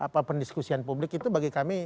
apa pendiskusian publik itu bagi kami